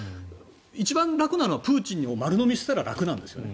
一番楽なのはプーチンを丸のみしたら楽なんですよね。